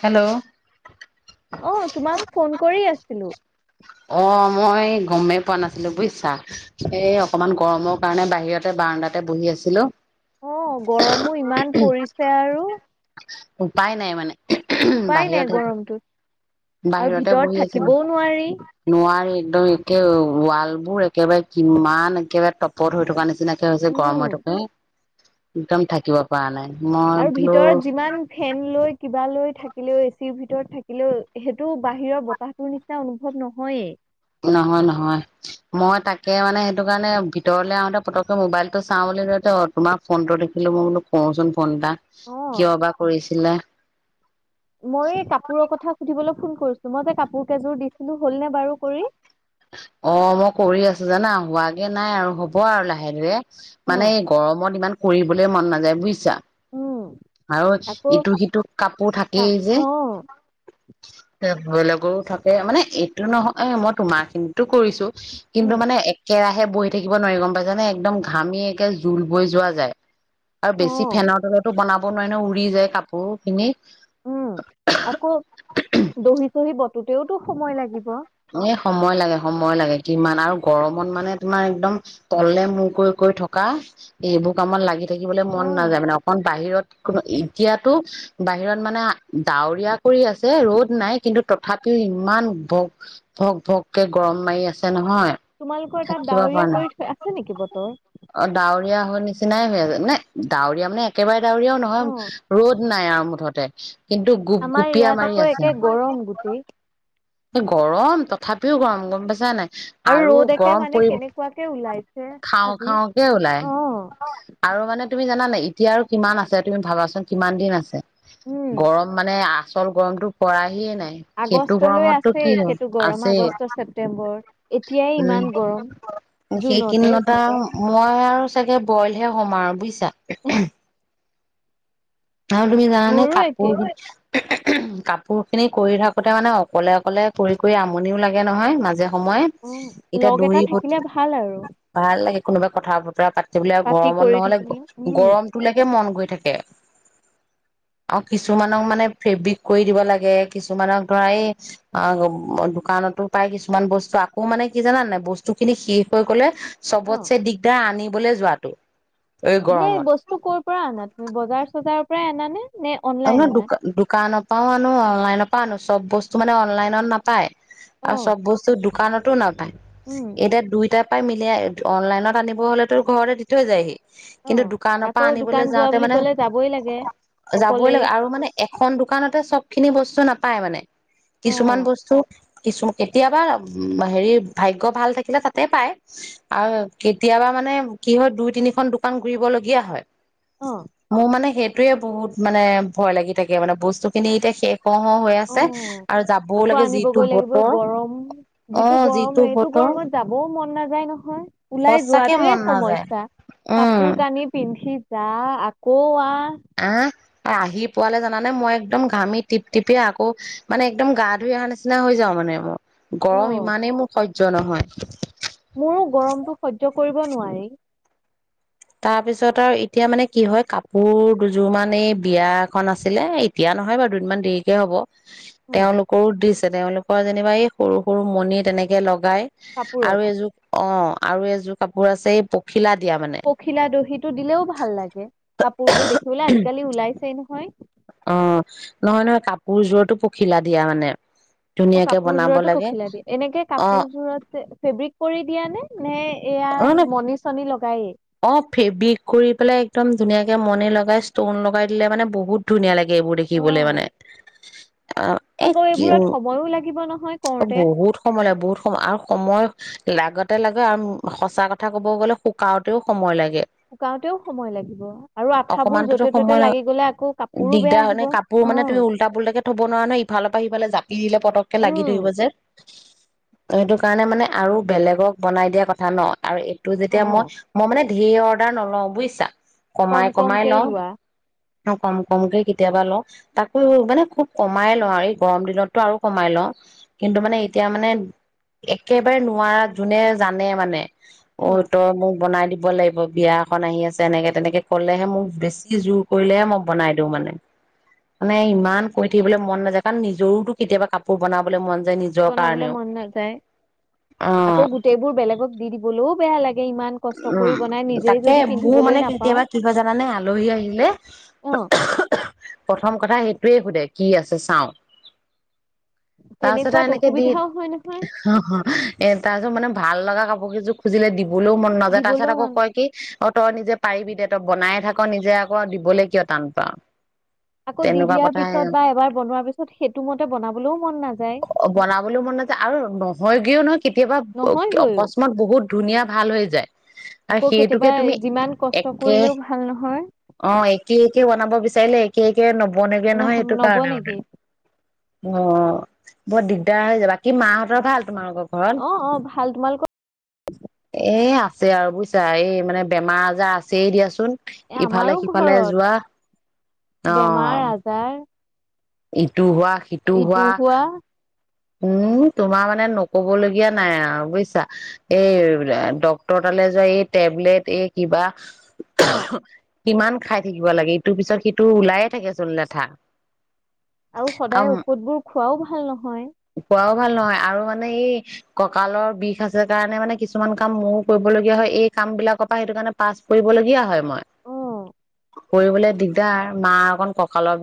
Hello অ তোমাক phone কৰি আছিলো অ মই গমেই পোৱা নাছিলো বুজিছা এই অকমান গৰমৰ কাৰণে বাহিৰতে বাৰাণ্ডাতে বহি আছিলো অ', গৰমো ইমান পৰিছে আৰু উপায় নাই মানে উপায় নাই বাহিৰত আহ গৰমটোত। আৰু বাহিৰতে ভিতৰত বহি আছিলো থাকিবও নোৱাৰি। নোৱাৰি একদম একে ৱাল বোৰ একেবাৰে কিমান একেবাৰে টপত হৈ থকা নিচিনাকে হৈছে উম, গৰম হৈ থকাে একদম থ শিকিব পৰা নাই মই আৰু বোলো ভিতৰত যিমান ফেন লৈ কিবা লৈ থাকে হেও এচিৰ ভিতৰত থাকিলেও বাহিৰ বতাহ টো নিচিনা অনুভৱ নহয় নহয়, নহয় মই তাকে মানে সেই কাৰণে ভিতৰলে আহুতে ফতকে মোবাইল টো চাওঁতে তোমাৰ ফোন টো দেখিলোঁ মই বোলোছো কৰোছো ফোনটা অ', কিয় বা কৰিছিলে মই এই কাপোৰৰ কথা সুধিবলৈ ফোন কৰিছো মই যে কাপোৰ কযোৰ দিছিলো হ'ল নে বাৰু কৰি অ মই কৰি আছো জানা হোৱাগে নাই আৰু হ'ব আৰু লাহে ধীৰে অ', মানে গৰমত ইমান কৰিবলৈ মন নাযায় বুজিছা উম, আৰু আকৌ ইটো সিটো কাপোৰ তা- থাকেই অ', যে ভ লগৰ থাকে মানে এইটো নহয় এ মই তোমাৰ কিন্তুটো কৰিছো উম, কিন্তু মানে একেৰাহে হে বহি থাকিব নোৱাৰি গম পাইছানে একদম হে বহি থাকিব নোৱাৰি গমপাইছানেএকদমঘামিয় একে জোল বৈ যোৱা যায় আৰু বেছি অ', ফেনৰ তলতো বনাব নোৱাৰি ন উৰি যায় কাপোৰ খিনি উম আকৌ দহি চহি বটোতেওতো সময় লাগিব এই সময় লাগে সময় লাগে কিমান আৰু গৰমত মানে তোমাৰ একদম তলে মূৰ কৰি কৰি থকা এইবোৰ কামত লাগি থাকিবলৈ মন অ'। নাযায় মানে অকণ বাহিৰত কোনো এতিয়াতো বাহিৰত মানে ডাৱৰীয়া কৰি আছে ৰ'দ নাই কিন্তু তথাপিও ইমান ভক ভককে গৰম মাৰি আছে নহয় ন তোমালোকৰ তাত থাকিব পৰা ডাৱৰীয়া নাই কৰি থৈ আছে নেকি বতৰ? অ ডাৱৰীয়া হৈ নিচিনাই হৈ আছে মানে ডাউৰীয়া মানে একেবাৰে দাওৰিয়ায়ো নহয় অ' ৰ'দ নাই আৰু মুঠতে কিন্তু গুপ আমাৰ গুপীয়া ইয়াত আকৌ একে গৰম গুটেই এ গৰম তথাপিও গৰম গম পেইছা নে নাই আৰু ৰ'দ একে গৰম মানে পৰি কেনেকুৱাকে ওলাইছে খাও আজি। খাওঁকে ওলাই অ' আৰু মানে তুমি জানানে! এতিয়া আৰু কিমান আছে তুমি ভাবাচোন কিমান দিন আছে। উম, গৰম মানে আহ আচল গৰমতটো পৰাই আহিয়ে নাই সেইটো আগষ্টলৈ গৰমত আছে সেইটো গৰম আগষ্ট ছেপ্তেম্বৰ এতিয়াই ইমান উম গৰম জুনতে সেইকিদিনত আৰু মই আৰু চাগে বইলহে সোমাৰ বুজিছা [unintelligible] আৰু তুমি জান নে মোৰো একেই। কাপোৰ কাপোৰ খিনি কৰি থাকোতে মানে অকলে অকলে কৰি কৰি আমনিও লাগে নহয় মাজে সময় অ' এতিয়া লগ এটা দৌৰিব থাকিলে ভাল আৰু ভাল লাগে কোনোবা কথা বতৰাা যে বোলে পাতি গৰমত কৰি নহলে থাকিবলৈ উম। গৰমটোলৈকে মন গৈ থাকে আৰু কিছুমানক মানে ফেব্ৰিক কৰি দিব লাগে কিছুমানক ধৰা এই দোকানতো পাই কিছুমান বস্তু আকৌ মানে কি জানানানে বস্তু খিনি শেষ হৈ গলে অ' চবতছেে দিগদাৰ আনিবলৈ যোৱাাতটো এনেই বস্তু ক'ৰ পৰা আনা তুমি বজাৰ চজাৰ প্ৰায় আনা নে নে অনলাইন আমি আনা? দোকানৰ পাও আনো অনলাইন প নো চব বস্তু মানে অনলাইনত নাপায় আৰু অ' চব বস্তু দোকানতো নাপায় উম। এতিয়া দুইটাৰ পৰা মি অনলাইনত আনিব হ'লেতো ঘৰতে দি থৈ যায়হি অ কিন্তু দোকানৰ আকৌ পৰা দোকান আনিবলৈ যোৱা যাওঁতে বুলি মানে ক'লে যাবই লাগে যাবই অকলেই লাগে আৰু মানে এখন দোকানতে চব খিনি বস্তু নাপায় মানে অ কিছুমান বস্তু কিছু কেতিয়াবা হেৰি ভাগ্য় ভাল থাকিলে তাতে পায় আৰু কেতিয়াবা মানে কি হয় দুই তিনিখন দোকান ঘুৰিবলগীয়া হয় অ মোৰ মানে সেইটো বহুত মানে ভয় লাগি থাকে মানে বস্তু খিনি এতিয়া শেষ হৈ অ আছে আৰু যাবও আকৌ লাগে যিটো আনিবগৈ লাগিব বতৰ গৰম অ যিটো গৰম এইটো বতৰ গৰমত যাবও মন মন নাযায় নহয় ওলাই সঁচাকে মন যোৱাটোৱে নাযায় সমস্যা উম কাপোৰ কানি পিন্ধি যা আকৌ আহ আহ আহি পোৱালে জানে মই একদম ঘামি টিপ টিপি আকৌ মানে একদম গা ধুই অহা নিচিনা হৈ যাও মানে মই অ গৰম ইমানেই মোৰ সহ্্য সহ্য নহয় মোৰো গৰমটো সহ্য কৰিব নোৱাৰি তাৰপিছত আৰু এতিয়া মানে কি হয় কাপোৰ দুযোৰ মান এই বিয়া এখন আছিলে এতিয়া নহয় বাৰু দুদিনমান দেৰিকে হ'ব অ তেওঁলোকৰো দৃশ তেওঁলোকৰ যেনিবা এই সৰু-সৰু মণি তেনেকে লগ লগাই কাপোৰত আৰু এযোৰ অ'। আৰু এইযোৰ কাপোৰ আছে এই পক্ষী শিলা দিয়া মানে। দিয়া দহি টো দিলেও ভাল লাগে, কাপোৰ বোৰ দেখিবলৈ আজিকালি ওলাইছেই নহয়। অ', নহয়-নহয় কাপোৰযোৰতো পখিলা দিয়া মানে। অ, ধুনীয়াকে বনাব কাপোৰযোৰতো লাগে পখিলা দিয়ে, এনেকে অ কাপোৰযোৰত যে ফেব্ৰিক কৰি দিয়া নে, নে এয়া, অ ন মণি-চনী লগ অ', ফেব্ৰিক কৰি পেলাই একদম ধুনীয়াকে মনি লগাই ষ্টন লগাই দিলে মানে বহুত ধুনীয়া লাগে এইবোৰ দেখিবলে মানে। অ', অ এই আকৌ কি অ, এইবোৰত সময়ো লাগিব নহয় কৰোতে। বহুত সময় লাগে বহুত সময় আৰু সময়, লাগতে লাগে আৰু সঁচা কথা ক'ব গ'লে শুকা বহু সময় লাগ শুকাওতেও সময় লাগিব, আৰু আঠাবোৰ অকমানতোতো সময় য'তে-ত'তে লাগ লাগি গলে আকৌ কাপোৰো বেয়া দিগদাৰ হয় নে হব, কাপোৰ অ'। কৰিবলৈ জাপ এৰিলে পতককে লাগি উম, ধৰিব যে। সেইটো কাৰণে মানে আৰু বেলেগক বনাই দিয়া কথা ন, আৰু এইটো যেতিয়া মই অ', মই মানে ধেৰ অৰ্ডাৰ নলওঁ বুজিছা। কম কমাই-কমাই কমকেই লওঁ লোৱা অ, কম-কমকে কেতিয়াবা লওঁ, তাকো মানে খুব কমাই লওঁ আৰু এই গৰম দিনতটো আৰু কমাই লওঁ, কিন্তু মানে এতিয়া মানে একেবাৰে নোৱাৰা যোনে জানে মানে ঐ অ', তই মো বনাই দিব লাগিব বিয়া এখন আহি আছে এনেকে তেনেকে ক'লেহে মোক বেছি জোৰ কৰিলেহে মই বনাই দিও মানে। মানে ইমান কৈ থাকিবলৈ মন নাযায় কাৰণ নিজৰোতো কেতিয়াবা কাপোৰ বনাবলৈ মন যায় নিজৰ বনাবলৈ কাৰণেও মন নাযায়, অ আকৌ গোটেইবোৰ বেলেগক দি-দিবলৈও বেয়া লা উম, তাকে মোৰ পিন্ধিবলৈ মানে নাপাওঁ। কেতিয়াবা কি হয় জানানে আলহী আহিলে অ', প্ৰথম কথা সেইটোৱে সোধে কি আছে চাওঁ। তাৰপিছত তেনেকুৱাত এনেকে দি, অসুবিধাও হয় নহয়, তাৰ পিছত মানে ভাল লগা কাপোৰ কেইযোৰ খুজিলে দিবলৈও মন নাযায়, তাৰ পাছত দিবলৈও আকৌ মন কয় কি অ, তই নিজে পাৰিবি দে তই বনায়েই থাক নিজে আকৌ দিবলৈ কিয় টান পাৱ। আকৌ দি তেনেকুৱা দিয়াৰ কথাইহে। পিছত বা এবাৰ বনোৱাৰ পিছত সেইটো মতে বনাবলৈও মন নাযায় বনাবলৈও মন নাযায় আৰু নহয়গেও নহয় কেতিয়াবা নহয়গৈও অকস্মাত বহুত ধুনীয়া ভাল হৈ যায় আৰু আকৌ সেইটোকে কেতিয়াবা তুমি যিমান কষ্ট একে কৰিলেও ভাল নহয় অ একে একে বনাব বিচাৰিলে এক একে ন বনেগে নহয় নহ এইটো কাৰণে নবনেগে ম অ বহৰ দিগদাৰ হৈ যাবা কি মাহঁতৰ ভাল তোমালোকৰ ঘৰত অ অ ভাল তোমালোকৰ এ আছে আৰু বুজিছা এই মানে বেমাৰ আজাৰ আছে দিয়াচোন এ ইফালে আমাৰো সিফালে যোৱা ঘৰত বেমাৰ আজাৰ এই সটো হোৱা সিটো হোৱা উম তোমাৰ মানে নকবলগীয়া নাই আৰু বুজিছা এই ড্ক্তৰ তালৈ যোৱা এই টেবলেট এই কিবা অ [unintelligible] কিমান খাই থাকিব লাগে ইটোৰ পিছত সিটো ওলায়ে থাকে চল দেেঠা আৰু সদায় ঔষধবোৰ খোৱাও ভাল নহয় খোৱাও ভাল নহয় আৰু মানে এই কঁকালৰ বিষ আছে কাৰণে মানে কিছুমান কাম মোৰ কৰিবলগীয়া হয় এই কাম বিলাকৰ পৰা সেইটো কাৰণে পাছ পৰিলগীয়া হয় মই অ কৰিবলে দিগদাৰ মা অকণ কঁকালত